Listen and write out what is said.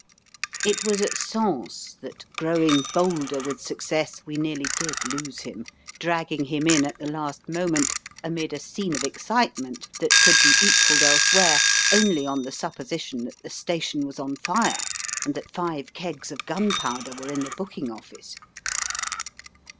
It was at Sens that, growing bolder with success, we nearly did lose him, dragging him in at the last moment, amid a scene of excitement that could be equalled elsewhere only on the supposition that the station was on fire and that five kegs of gunpowder were in the booking office.